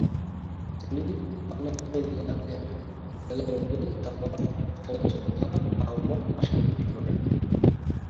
তিনি আনাতোলিয়া এর বেলারবে দামাত সেনাব্ধা আহমেদ পাশাকে বিয়ে করেন।